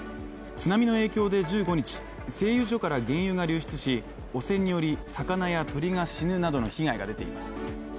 津波の影響で１５日、製油所から原油が流出し、汚染により魚や鳥が死ぬなどの被害が出ています。